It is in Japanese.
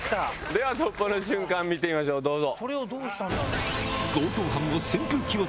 では突破の瞬間見てみましょうどうぞ！